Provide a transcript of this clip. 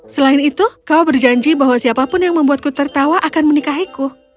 selain itu kau berjanji bahwa siapapun yang membuatku tertawa akan menikahiku